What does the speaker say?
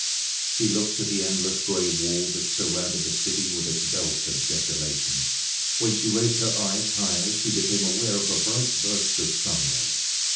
She looked at the endless gray wall that surrounded the city with its belt of desolation. When she raised her eyes higher, she became aware of a bright burst of sunlight.